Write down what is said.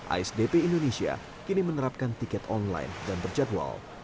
asdp indonesia kini menerapkan tiket online dan berjadwal